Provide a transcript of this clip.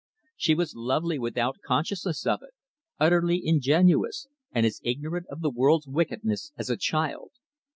She was lovely without consciousness of it, utterly ingenuous, and as ignorant of the world's wickedness as a child.